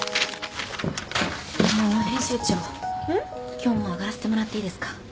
今日もう上がらせてもらっていいですか？